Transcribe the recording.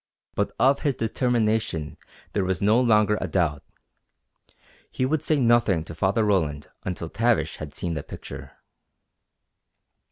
But of his determination there was no longer a doubt. He would say nothing to Father Roland until Tavish had seen the picture.